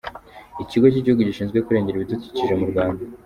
ikigo cy’igihugu gishinzwe kurengera ibidukikije mu Rwanda